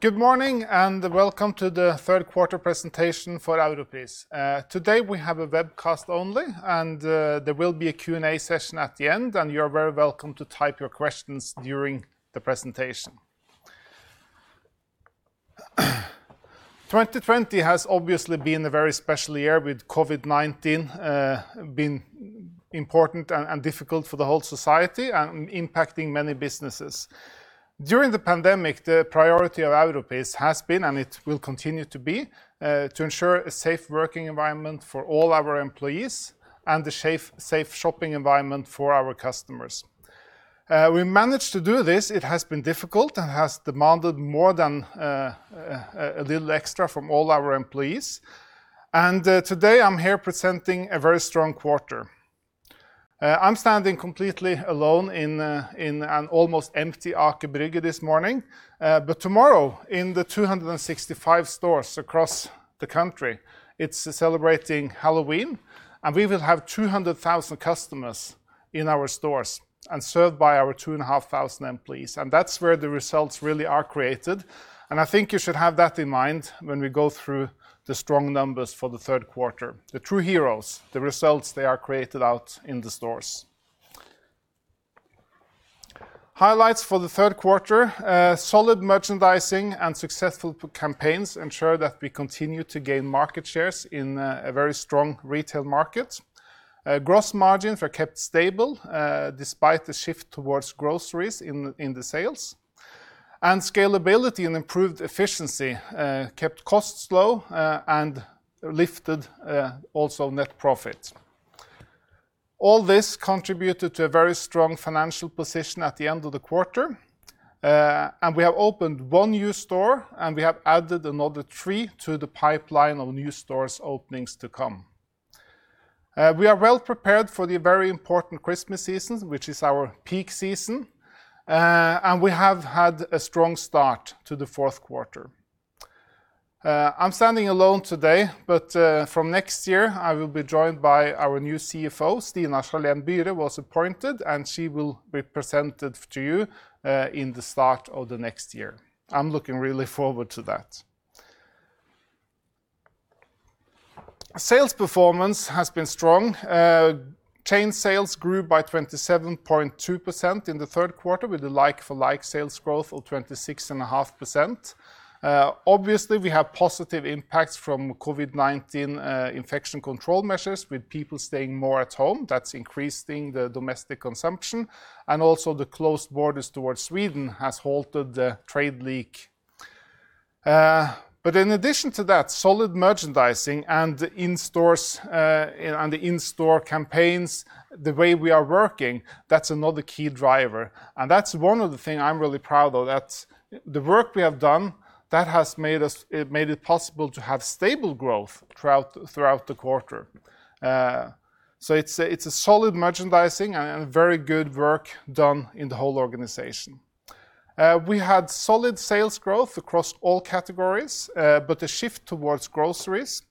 Good morning, and welcome to the third quarter presentation for Europris. Today we have a webcast only. There will be a Q&A session at the end. You're very welcome to type your questions during the presentation. 2020 has obviously been a very special year with COVID-19, being important and difficult for the whole society and impacting many businesses. During the pandemic, the priority of Europris has been, and it will continue to be, to ensure a safe working environment for all our employees and a safe shopping environment for our customers. We managed to do this. It has been difficult and has demanded more than a little extra from all our employees. Today I'm here presenting a very strong quarter. I'm standing completely alone in an almost empty Aker Brygge this morning. Tomorrow, in the 265 stores across the country, it's celebrating Halloween, and we will have 200,000 customers in our stores and served by our 2,500 employees. That's where the results really are created, and I think you should have that in mind when we go through the strong numbers for the third quarter. The true heroes, the results, they are created out in the stores. Highlights for the third quarter, solid merchandising and successful campaigns ensure that we continue to gain market shares in a very strong retail market. Gross margins were kept stable despite the shift towards groceries in the sales. Scalability and improved efficiency kept costs low and lifted also net profit. All this contributed to a very strong financial position at the end of the quarter. We have opened one new store, and we have added another three to the pipeline of new stores openings to come. We are well prepared for the very important Christmas season, which is our peak season. We have had a strong start to the fourth quarter. I'm standing alone today, but from next year, I will be joined by our new CFO, Stina Charlene Byre was appointed, and she will be presented to you in the start of the next year. I'm looking really forward to that. Sales performance has been strong. Chain sales grew by 27.2% in the third quarter with a like-for-like sales growth of 26.5%. Obviously, we have positive impacts from COVID-19 infection control measures, with people staying more at home. That's increasing the domestic consumption, and also the closed borders towards Sweden has halted the trade leak. In addition to that, solid merchandising and the in-store campaigns, the way we are working, that's another key driver. That's one of the things I'm really proud of, that the work we have done, that has made it possible to have stable growth throughout the quarter. It's a solid merchandising and very good work done in the whole organization. We had solid sales growth across all categories, but a shift towards groceries.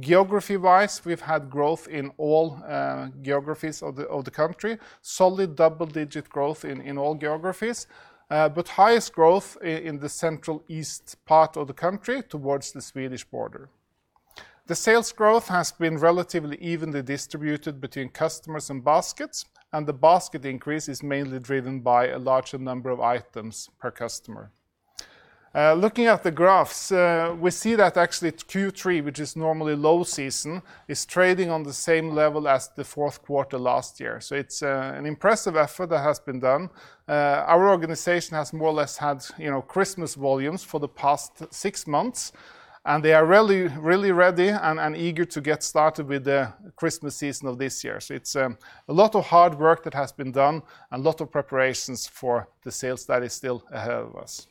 Geography-wise, we've had growth in all geographies of the country, solid double-digit growth in all geographies, but highest growth in the central east part of the country towards the Swedish border. The sales growth has been relatively evenly distributed between customers and baskets, and the basket increase is mainly driven by a larger number of items per customer. Looking at the graphs, we see that actually Q3, which is normally low season, is trading on the same level as the fourth quarter last year. It's an impressive effort that has been done. Our organization has more or less had Christmas volumes for the past six months, and they are really ready and eager to get started with the Christmas season of this year. It's a lot of hard work that has been done and lot of preparations for the sales that is still ahead of us.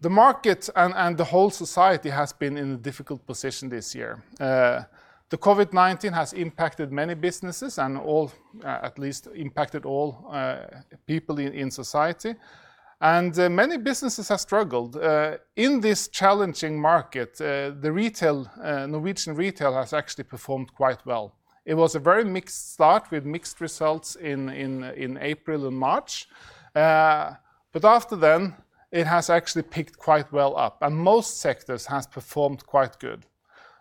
The market and the whole society has been in a difficult position this year. The COVID-19 has impacted many businesses and at least impacted all people in society. Many businesses have struggled. In this challenging market, the Norwegian retail has actually performed quite well. It was a very mixed start with mixed results in April and March. After then, it has actually picked quite well up, and most sectors has performed quite good.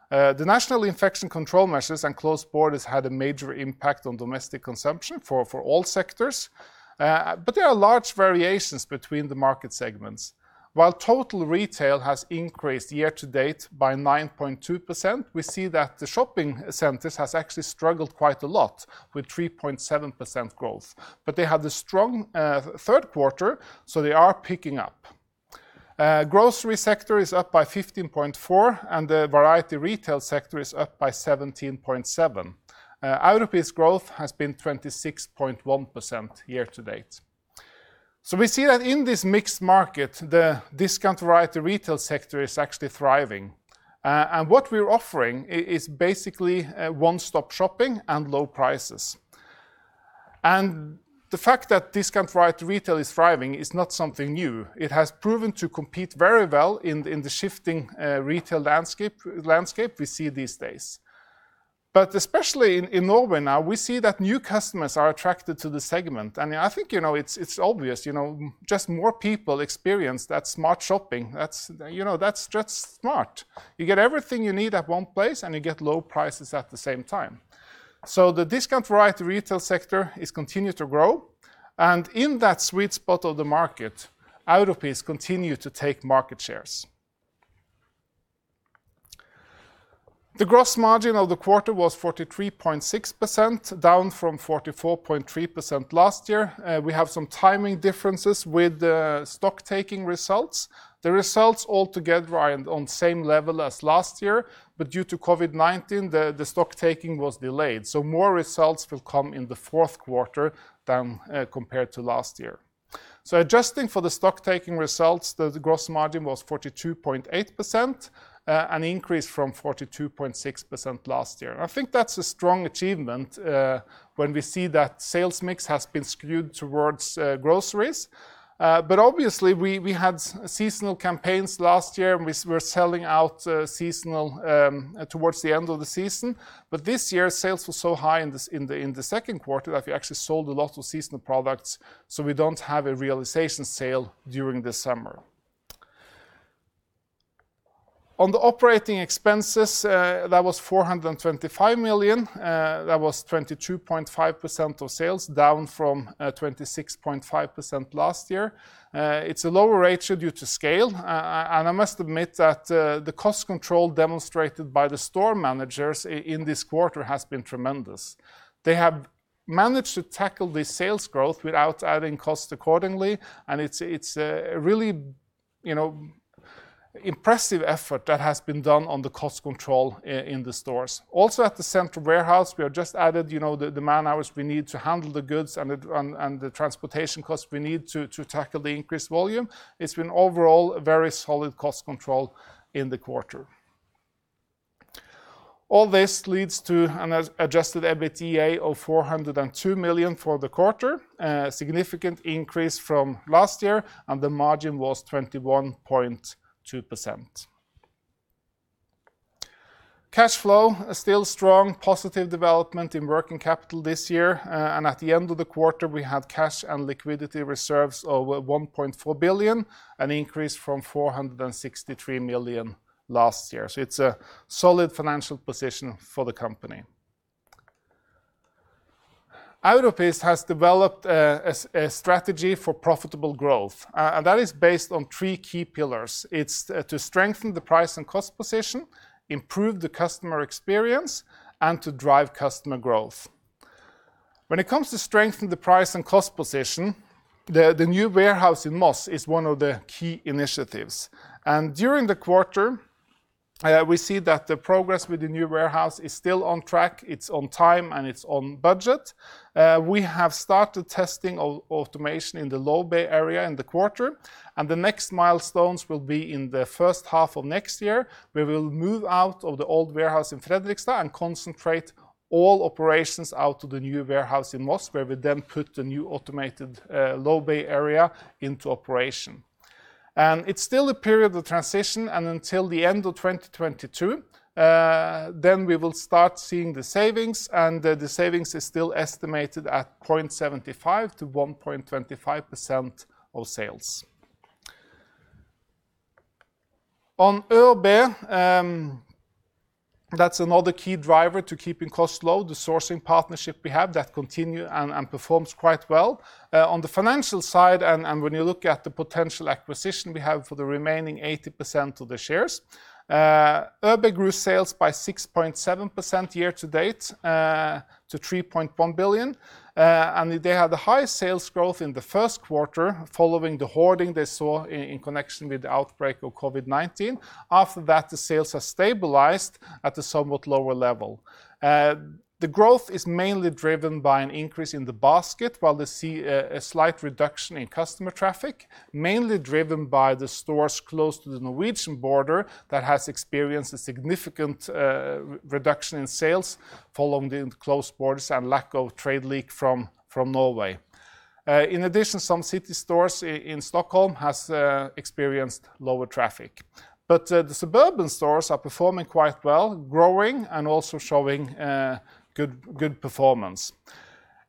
The national infection control measures and closed borders had a major impact on domestic consumption for all sectors. There are large variations between the market segments. While total retail has increased year to date by 9.2%, we see that the shopping centers has actually struggled quite a lot with 3.7% growth. They had a strong third quarter, so they are picking up. Grocery sector is up by 15.4, and the variety retail sector is up by 17.7. Europris' growth has been 26.1% year to date. We see that in this mixed market, the discount variety retail sector is actually thriving. What we're offering is basically a one-stop shopping and low prices. The fact that discount variety retail is thriving is not something new. It has proven to compete very well in the shifting retail landscape we see these days. Especially in Norway now, we see that new customers are attracted to the segment. I think it's obvious, just more people experience that smart shopping. That's just smart. You get everything you need at one place, and you get low prices at the same time. The discount variety retail sector is continued to grow, and in that sweet spot of the market, Europris continued to take market shares. The gross margin of the quarter was 43.6%, down from 44.3% last year. We have some timing differences with the stock-taking results. The results altogether are on same level as last year, but due to COVID-19, the stock taking was delayed, so more results will come in the fourth quarter than compared to last year. Adjusting for the stock taking results, the gross margin was 42.8%, an increase from 42.6% last year. I think that's a strong achievement when we see that sales mix has been skewed towards groceries. Obviously we had seasonal campaigns last year, and we're selling out seasonal towards the end of the season. This year sales were so high in the second quarter that we actually sold a lot of seasonal products, so we don't have a realization sale during the summer. On the operating expenses, that was 425 million. That was 22.5% of sales, down from 26.5% last year. It's a lower rate due to scale. I must admit that the cost control demonstrated by the store managers in this quarter has been tremendous. They have managed to tackle the sales growth without adding cost accordingly. It's a really impressive effort that has been done on the cost control in the stores. Also at the central warehouse, we have just added the man-hours we need to handle the goods and the transportation costs we need to tackle the increased volume. It's been overall a very solid cost control in the quarter. All this leads to an adjusted EBITDA of 402 million for the quarter. A significant increase from last year. The margin was 21.2%. Cash flow is still strong. Positive development in working capital this year. At the end of the quarter we have cash and liquidity reserves over 1.4 billion, an increase from 463 million last year. It's a solid financial position for the company. Europris has developed a strategy for profitable growth, and that is based on three key pillars. It's to strengthen the price and cost position, improve the customer experience, and to drive customer growth. When it comes to strengthen the price and cost position, the new warehouse in Moss is one of the key initiatives. During the quarter, we see that the progress with the new warehouse is still on track. It's on time, and it's on budget. We have started testing automation in the low bay area in the quarter, and the next milestones will be in the first half of next year. We will move out of the old warehouse in Fredrikstad and concentrate all operations out to the new warehouse in Moss, where we then put the new automated low bay area into operation. It's still a period of transition, and until the end of 2022, then we will start seeing the savings, and the savings is still estimated at 0.75%-1.25% of sales. On ÖoB, that's another key driver to keeping costs low, the sourcing partnership we have that continue and performs quite well. On the financial side and when you look at the potential acquisition we have for the remaining 80% of the shares, ÖoB grew sales by 6.7% year to date, to 3.1 billion. They had the highest sales growth in the first quarter following the hoarding they saw in connection with the outbreak of COVID-19. After that, the sales have stabilized at a somewhat lower level. The growth is mainly driven by an increase in the basket while they see a slight reduction in customer traffic, mainly driven by the stores close to the Norwegian border that has experienced a significant reduction in sales following the closed borders and lack of trade leak from Norway. In addition, some city stores in Stockholm has experienced lower traffic. The suburban stores are performing quite well, growing and also showing good performance.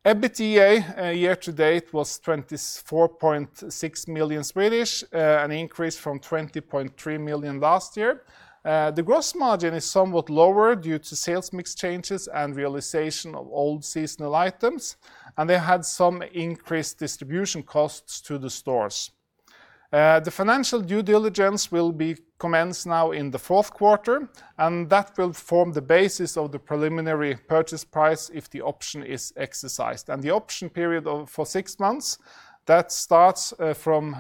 EBITDA year to date was 24.6 million, an increase from 20.3 million last year. The gross margin is somewhat lower due to sales mix changes and realization of old seasonal items, and they had some increased distribution costs to the stores. The financial due diligence will be commenced now in the fourth quarter, and that will form the basis of the preliminary purchase price if the option is exercised. The option period of for six months, that starts from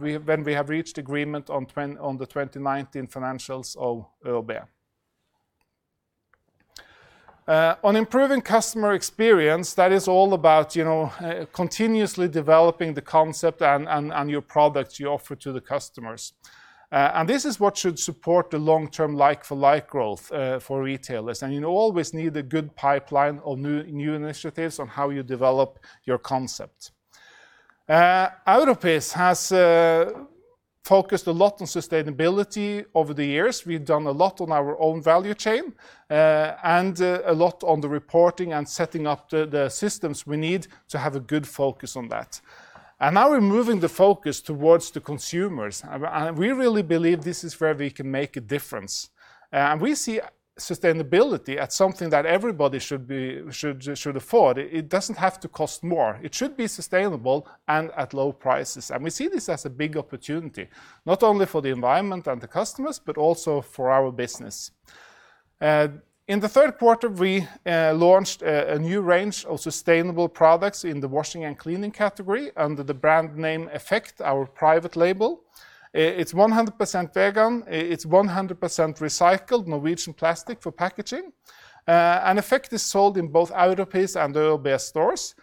when we have reached agreement on the 2019 financials of ÖoB. On improving customer experience, that is all about continuously developing the concept and your products you offer to the customers. This is what should support the long-term like-for-like growth for retailers, and you always need a good pipeline of new initiatives on how you develop your concept. Europris has focused a lot on sustainability over the years. We've done a lot on our own value chain, and a lot on the reporting and setting up the systems we need to have a good focus on that. Now we're moving the focus towards the consumers, and we really believe this is where we can make a difference. We see sustainability as something that everybody should afford. It doesn't have to cost more. It should be sustainable and at low prices. We see this as a big opportunity, not only for the environment and the customers, but also for our business. In the third quarter, we launched a new range of sustainable products in the washing and cleaning category under the brand name Effekt, our private label. It's 100% vegan, it's 100% recycled Norwegian plastic for packaging. Effekt is sold in both Europris and ÖoB stores.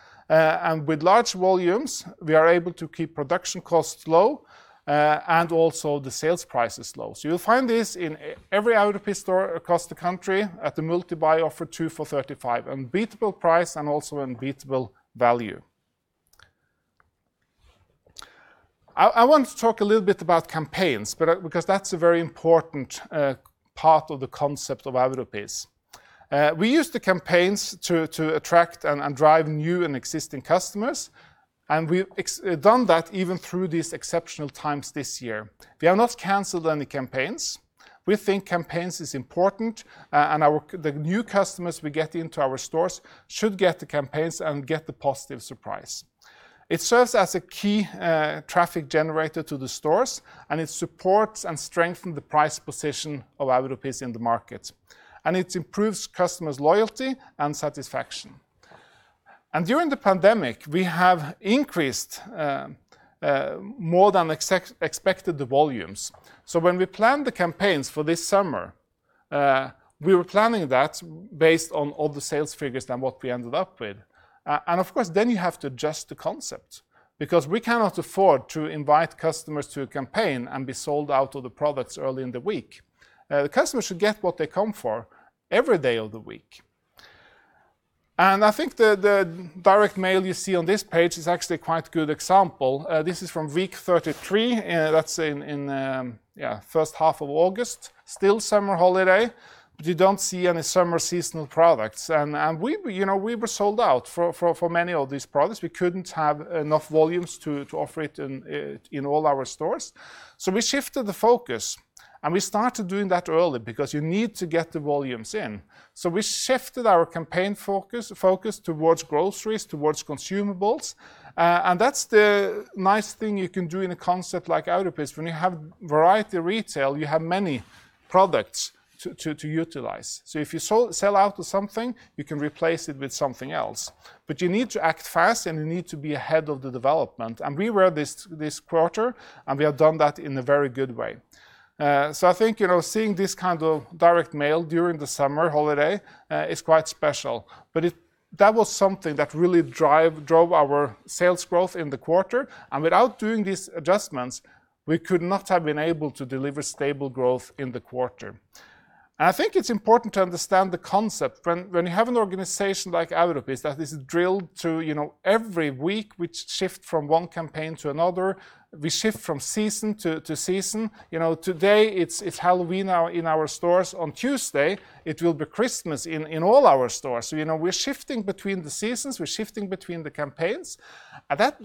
With large volumes, we are able to keep production costs low, and also the sales prices low. You'll find this in every Europris store across the country at the multi-buy offer two for 35. Unbeatable price and also unbeatable value. I want to talk a little bit about campaigns, because that's a very important part of the concept of Europris. We use the campaigns to attract and drive new and existing customers. We've done that even through these exceptional times this year. We have not canceled any campaigns. We think campaigns is important. The new customers we get into our stores should get the campaigns and get the positive surprise. It serves as a key traffic generator to the stores. It supports and strengthen the price position of Europris in the market. It improves customers' loyalty and satisfaction. During the pandemic, we have increased more than expected the volumes. When we planned the campaigns for this summer, we were planning that based on all the sales figures than what we ended up with. Of course, you have to adjust the concept, because we cannot afford to invite customers to a campaign and be sold out of the products early in the week. The customers should get what they come for every day of the week. I think the direct mail you see on this page is actually quite a good example. This is from week 33, that's in first half of August, still summer holiday, but you don't see any summer seasonal products. We were sold out for many of these products. We couldn't have enough volumes to offer it in all our stores. We shifted the focus, and we started doing that early because you need to get the volumes in. We shifted our campaign focus towards groceries, towards consumables, and that's the nice thing you can do in a concept like Europris. When you have variety retail, you have many products to utilize. If you sell out of something, you can replace it with something else. You need to act fast, and you need to be ahead of the development. We were this quarter, and we have done that in a very good way. I think, seeing this kind of direct mail during the summer holiday is quite special, but that was something that really drove our sales growth in the quarter. Without doing these adjustments, we could not have been able to deliver stable growth in the quarter. I think it's important to understand the concept. When you have an organization like Europris that is drilled to every week, we shift from one campaign to another, we shift from season to season. Today it's Halloween in our stores. On Tuesday it will be Christmas in all our stores. We're shifting between the seasons, we're shifting between the campaigns, and that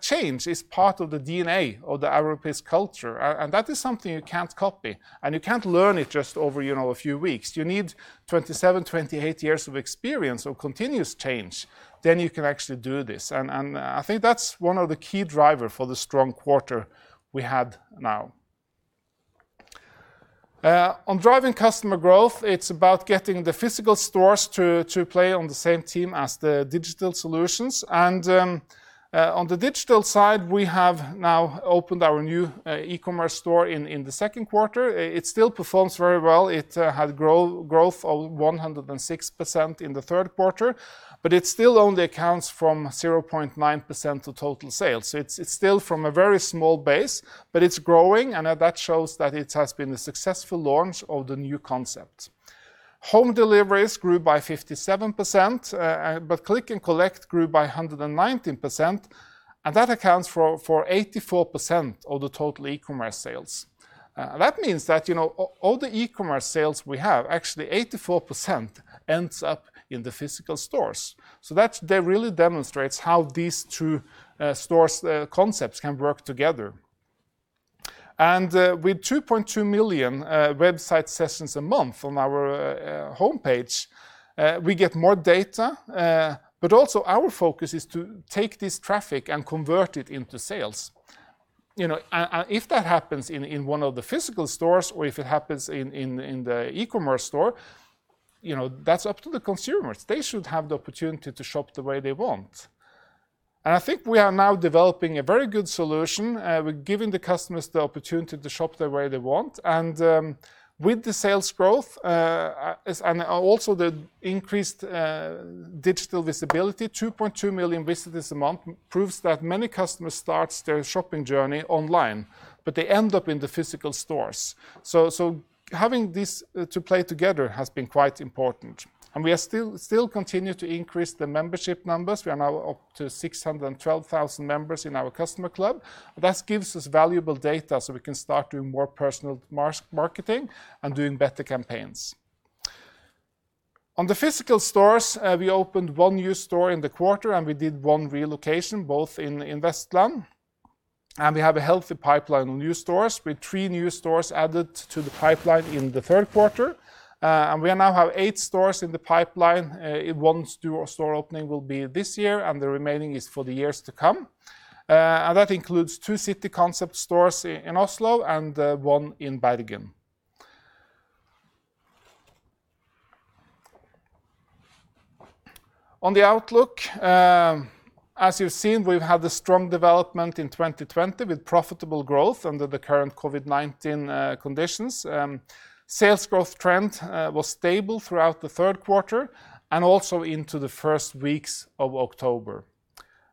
change is part of the DNA of the Europris culture. That is something you can't copy, and you can't learn it just over a few weeks. You need 27, 28 years of experience of continuous change, then you can actually do this. I think that's one of the key driver for the strong quarter we had now. On driving customer growth, it's about getting the physical stores to play on the same team as the digital solutions. On the digital side, we have now opened our new e-commerce store in the second quarter. It still performs very well. It had growth of 106% in the third quarter, but it still only accounts from 0.9% of total sales. It's still from a very small base, but it's growing, and that shows that it has been a successful launch of the new concept. Home deliveries grew by 57%, but click and collect grew by 119%, and that accounts for 84% of the total e-commerce sales. That means that, all the e-commerce sales we have, actually 84% ends up in the physical stores. That really demonstrates how these two store concepts can work together. With 2.2 million website sessions a month on our homepage, we get more data. Also our focus is to take this traffic and convert it into sales. If that happens in one of the physical stores or if it happens in the e-commerce store, that's up to the consumers. They should have the opportunity to shop the way they want. I think we are now developing a very good solution. We're giving the customers the opportunity to shop the way they want. With the sales growth, and also the increased digital visibility, 2.2 million visitors a month proves that many customers start their shopping journey online, but they end up in the physical stores. Having these to play together has been quite important, and we still continue to increase the membership numbers. We are now up to 612,000 members in our customer club. That gives us valuable data so we can start doing more personal marketing and doing better campaigns. On the physical stores, we opened one new store in the quarter and we did one relocation, both in Vestland. We have a healthy pipeline of new stores with three new stores added to the pipeline in the third quarter. We now have eight stores in the pipeline. One store opening will be this year. The remaining is for the years to come. That includes two city concept stores in Oslo and one in Bergen. On the outlook, as you've seen, we've had a strong development in 2020 with profitable growth under the current COVID-19 conditions. Sales growth trend was stable throughout the third quarter and also into the first weeks of October.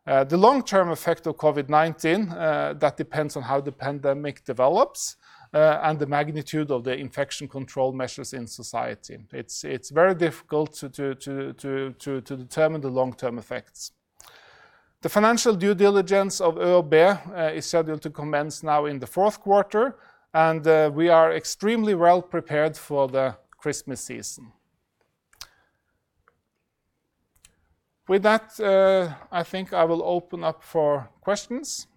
The long-term effect of COVID-19, that depends on how the pandemic develops and the magnitude of the infection control measures in society. It is very difficult to determine the long-term effects. The financial due diligence of ÖoB is scheduled to commence now in the fourth quarter, and we are extremely well prepared for the Christmas season. With that, I think I will open up for questions.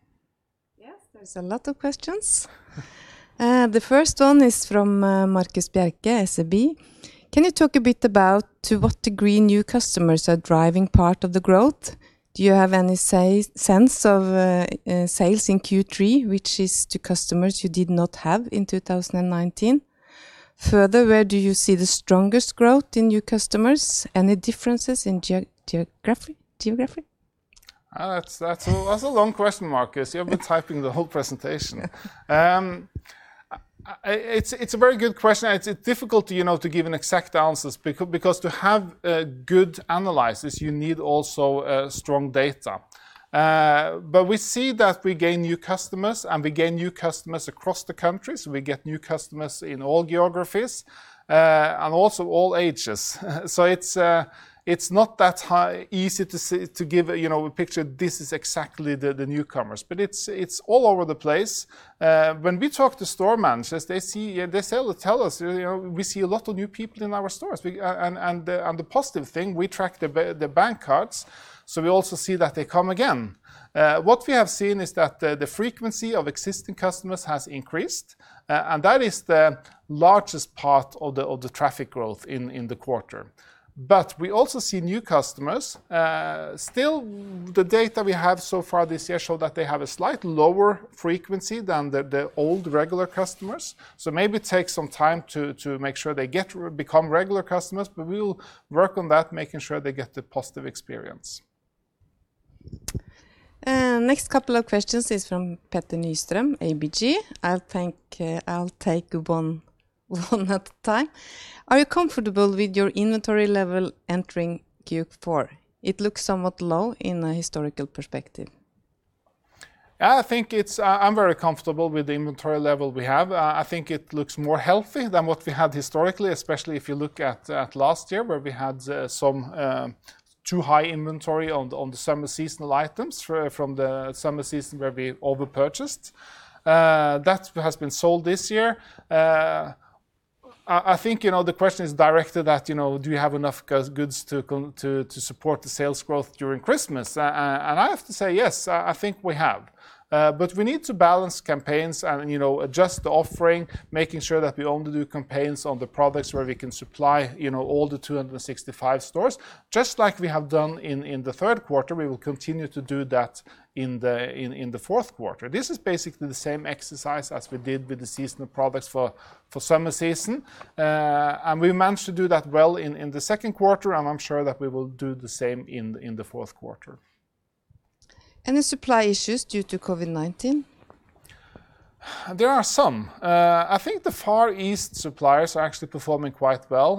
Yes, there's a lot of questions. The first one is from Markus Bjerke, SEB. Can you talk a bit about to what degree new customers are driving part of the growth? Do you have any sense of sales in Q3, which is to customers you did not have in 2019? Where do you see the strongest growth in new customers? Any differences in geography? That's a long question, Markus. You have been typing the whole presentation. It's a very good question, and it's difficult to give an exact answer because to have good analysis, you need also strong data. We see that we gain new customers, and we gain new customers across the country. We get new customers in all geographies, and also all ages. It's not that easy to give a picture, this is exactly the newcomers. It's all over the place. When we talk to store managers, they tell us, "We see a lot of new people in our stores." The positive thing, we track the bank cards, so we also see that they come again. What we have seen is that the frequency of existing customers has increased, and that is the largest part of the traffic growth in the quarter. We also see new customers. Still, the data we have so far this year show that they have a slightly lower frequency than the old regular customers. Maybe take some time to make sure they become regular customers, but we will work on that, making sure they get the positive experience. Next couple of questions is from Petter Nystrøm, ABG. I'll take one at a time. Are you comfortable with your inventory level entering Q4? It looks somewhat low in a historical perspective. I'm very comfortable with the inventory level we have. I think it looks more healthy than what we had historically, especially if you look at last year where we had some too high inventory on the summer seasonal items from the summer season where we over-purchased. That has been sold this year. I think the question is directed at, do we have enough goods to support the sales growth during Christmas? I have to say yes, I think we have. We need to balance campaigns and adjust the offering, making sure that we only do campaigns on the products where we can supply all the 265 stores. Just like we have done in the third quarter, we will continue to do that in the fourth quarter. This is basically the same exercise as we did with the seasonal products for summer season. We managed to do that well in the second quarter, and I'm sure that we will do the same in the fourth quarter. Any supply issues due to COVID-19? There are some. I think the Far East suppliers are actually performing quite well.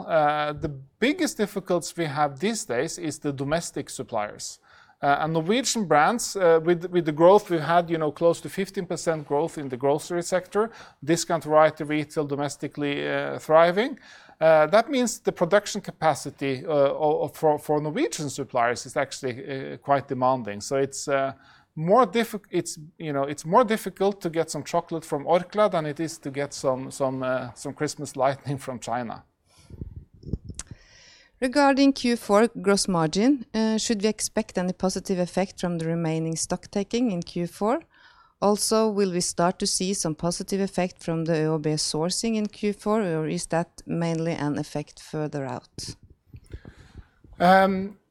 The biggest difficulty we have these days is the domestic suppliers. Norwegian brands, with the growth we had, close to 15% growth in the grocery sector, discount variety retail domestically thriving. That means the production capacity for Norwegian suppliers is actually quite demanding. It's more difficult to get some chocolate from Orkla than it is to get some Christmas lighting from China. Regarding Q4 gross margin, should we expect any positive effect from the remaining stock-taking in Q4? Will we start to see some positive effect from the ÖoB sourcing in Q4, or is that mainly an effect further out?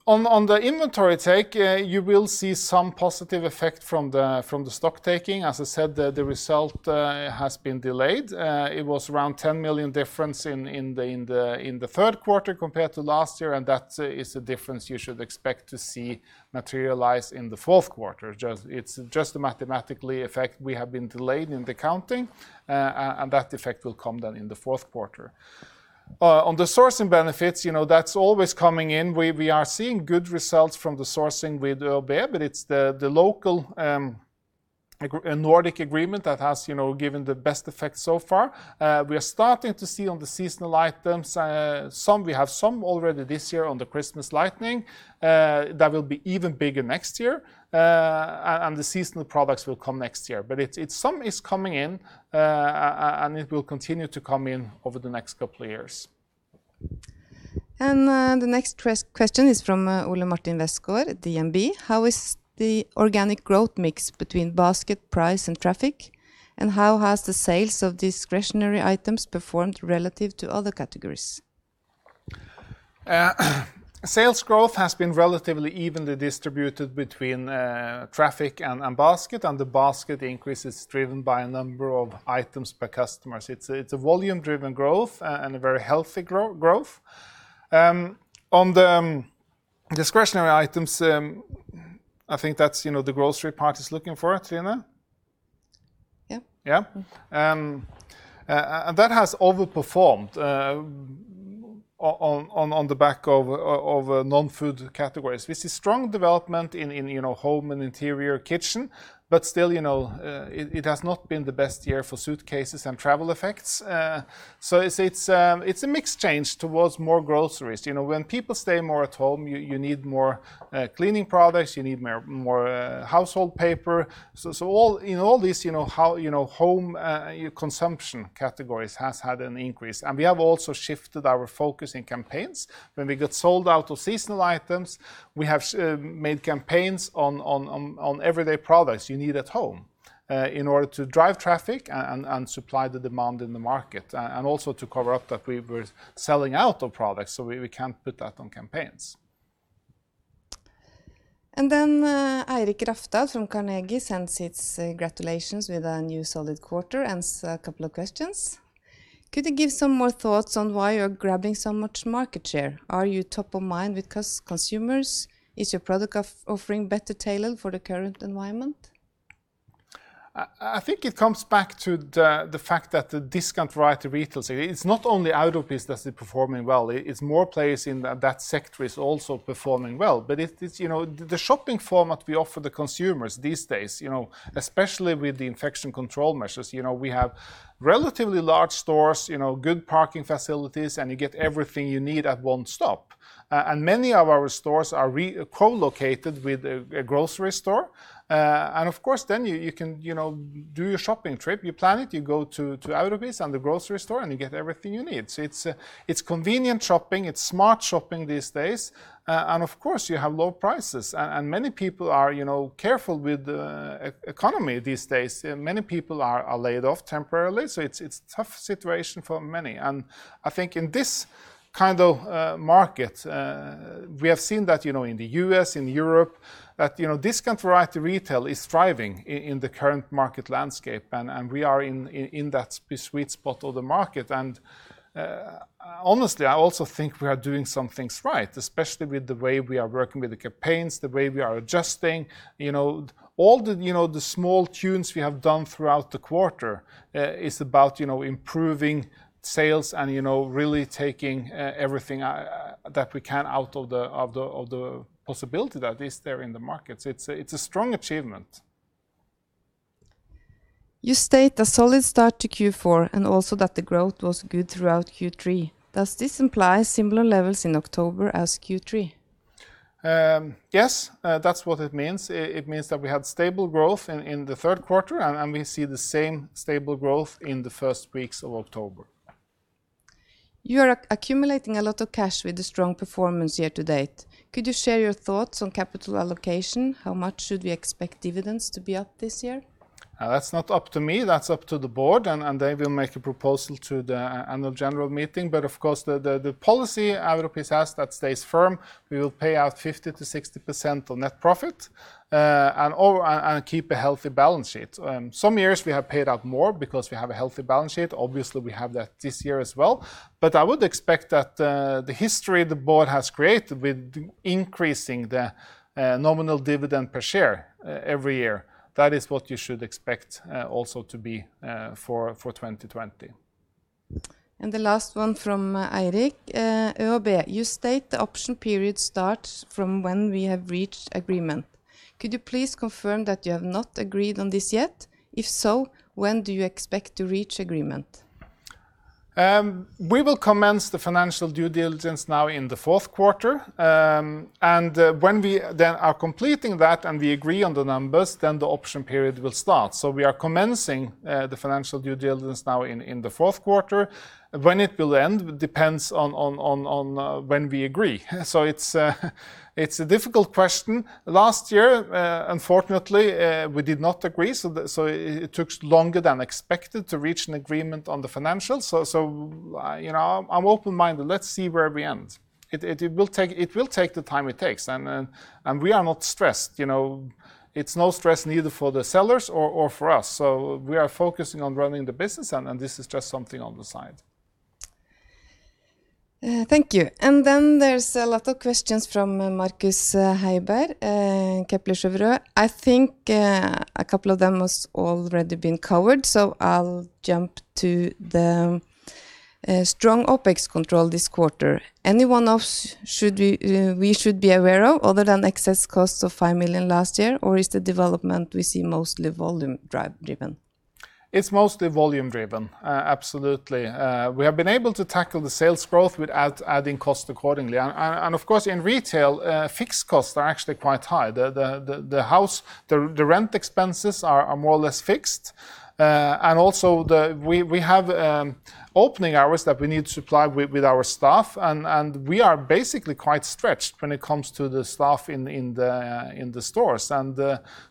On the inventory take, you will see some positive effect from the stock-taking. As I said, the result has been delayed. It was around 10 million difference in the third quarter compared to last year, and that is a difference you should expect to see materialize in the fourth quarter. It's just a mathematical effect we have been delayed in the counting, and that effect will come then in the fourth quarter. On the sourcing benefits, that's always coming in. We are seeing good results from the sourcing with ÖoB, but it's the local Nordic agreement that has given the best effect so far. We are starting to see on the seasonal items. We have some already this year on the Christmas lighting that will be even bigger next year, and the seasonal products will come next year. Some is coming in, and it will continue to come in over the next couple of years. The next question is from Ole Martin Westgaard at DNB: How is the organic growth mix between basket price and traffic, and how has the sales of discretionary items performed relative to other categories? Sales growth has been relatively evenly distributed between traffic and basket, and the basket increase is driven by a number of items per customer. It's a volume-driven growth and a very healthy growth. On the discretionary items, I think that's the grocery part is looking for, Trine? Yeah. Yeah. That has overperformed on the back of non-food categories. We see strong development in home and interior kitchen, still, it has not been the best year for suitcases and travel effects. It's a mixed change towards more groceries. When people stay more at home, you need more cleaning products, you need more household paper. In all these home consumption categories has had an increase. We have also shifted our focus in campaigns. When we got sold out of seasonal items, we have made campaigns on everyday products you need at home in order to drive traffic and supply the demand in the market, and also to cover up that we were selling out of products, so we can't put that on campaigns. Eirik Rafdal from Carnegie sends his congratulations with a new solid quarter and a couple of questions. Could you give some more thoughts on why you're grabbing so much market share? Are you top of mind with consumers? Is your product offering better tailored for the current environment? I think it comes back to the fact that the discount variety retail, it's not only out of business performing well, it's more players in that sector is also performing well. The shopping format we offer the consumers these days, especially with the infection control measures. We have relatively large stores, good parking facilities, and you get everything you need at one stop. Many of our stores are co-located with a grocery store. Of course, then you can do your shopping trip, you plan it, you go to Europris and the grocery store, and you get everything you need. It's convenient shopping, it's smart shopping these days. Of course, you have low prices. Many people are careful with the economy these days. Many people are laid off temporarily, so it's a tough situation for many. I think in this kind of market, we have seen that, in the U.S., in Europe, that discount variety retail is thriving in the current market landscape, and we are in that sweet spot of the market. Honestly, I also think we are doing some things right, especially with the way we are working with the campaigns, the way we are adjusting. All the small tunes we have done throughout the quarter is about improving sales and really taking everything that we can out of the possibility that is there in the market. It's a strong achievement. You state a solid start to Q4 and also that the growth was good throughout Q3. Does this imply similar levels in October as Q3? Yes, that's what it means. It means that we had stable growth in the third quarter, and we see the same stable growth in the first weeks of October. You are accumulating a lot of cash with the strong performance year to date. Could you share your thoughts on capital allocation? How much should we expect dividends to be up this year? That's not up to me, that's up to the board, and they will make a proposal to the annual general meeting. Of course, the policy Europris has that stays firm, we will pay out 50%-60% on net profit, and keep a healthy balance sheet. Some years we have paid out more because we have a healthy balance sheet. Obviously, we have that this year as well. I would expect that the history the board has created with increasing the nominal dividend per share every year, that is what you should expect also to be for 2020. The last one from Eirik, ÖoB, you state the option period starts from when we have reached agreement. Could you please confirm that you have not agreed on this yet? If so, when do you expect to reach agreement? We will commence the financial due diligence now in the fourth quarter. When we then are completing that and we agree on the numbers, then the option period will start. We are commencing the financial due diligence now in the fourth quarter. When it will end depends on when we agree. It's a difficult question. Last year, unfortunately, we did not agree, so it took longer than expected to reach an agreement on the financials. I'm open-minded. Let's see where we end. It will take the time it takes, and we are not stressed. It's no stress neither for the sellers or for us. We are focusing on running the business, and this is just something on the side. Thank you. There's a lot of questions from Markus Heiberg, Kepler Cheuvreux. I think a couple of them has already been covered, I'll jump to the strong OPEX control this quarter. Any one of we should be aware of other than excess costs of 5 million last year, is the development we see mostly volume-driven? It's mostly volume-driven. Absolutely. We have been able to tackle the sales growth without adding cost accordingly. Of course, in retail, fixed costs are actually quite high. The rent expenses are more or less fixed. Also, we have opening hours that we need to supply with our staff, and we are basically quite stretched when it comes to the staff in the stores.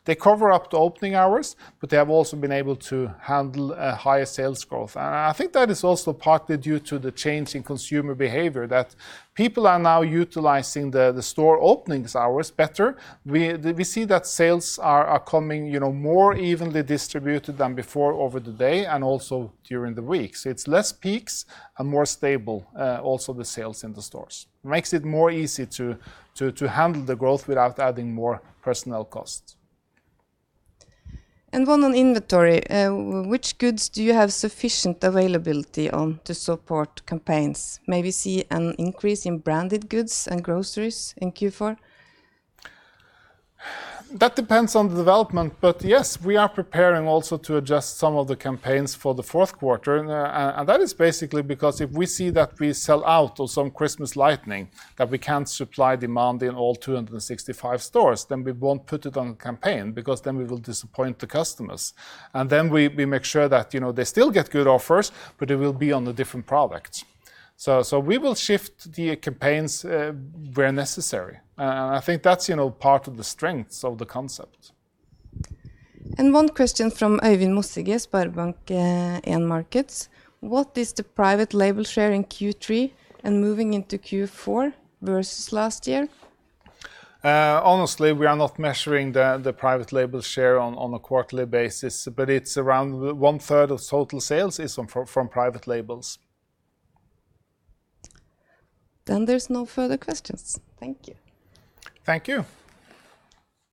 They cover up the opening hours, but they have also been able to handle higher sales growth. I think that is also partly due to the change in consumer behavior, that people are now utilizing the store openings hours better. We see that sales are coming more evenly distributed than before over the day and also during the week. It's less peaks and more stable, also the sales in the stores. Makes it more easy to handle the growth without adding more personnel costs. One on inventory. Which goods do you have sufficient availability on to support campaigns? Maybe see an increase in branded goods and groceries in Q4? That depends on the development. Yes, we are preparing also to adjust some of the campaigns for the fourth quarter. That is basically because if we see that we sell out of some Christmas lighting, that we can't supply demand in all 265 stores, then we won't put it on campaign because then we will disappoint the customers. Then we make sure that they still get good offers, but it will be on the different products. We will shift the campaigns where necessary. I think that's part of the strengths of the concept. One question from Øyvind Mossige, SpareBank 1 Markets. What is the private label share in Q3 and moving into Q4 versus last year? We are not measuring the private label share on a quarterly basis, but it's around one third of total sales is from private labels. There's no further questions. Thank you. Thank you.